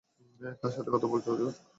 কার সাথে কথা বলছো অর্জুন?